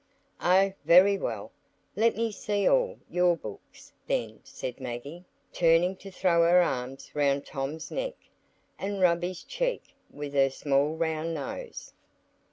"Oh, very well. Let me see all your books, then," said Maggie, turning to throw her arms round Tom's neck, and rub his cheek with her small round nose.